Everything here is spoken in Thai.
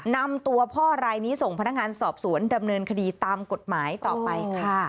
นำตัวพ่อรายนี้ส่งพนักงานสอบสวนดำเนินคดีตามกฎหมายต่อไปค่ะ